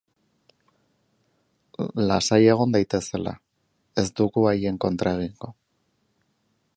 Lasai egon daitezela, ez dugu haien kontra egingo.